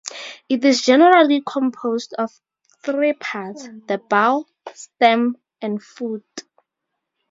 It is generally composed of three parts: the bowl, stem, and foot.